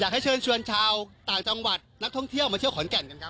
ให้เชิญชวนชาวต่างจังหวัดนักท่องเที่ยวมาเที่ยวขอนแก่นกันครับ